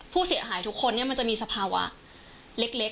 ผู้เสียหายทุกคนมันจะมีสภาวะเล็ก